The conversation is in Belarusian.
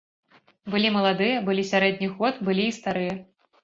Былі маладыя, былі сярэдніх год, былі і старыя.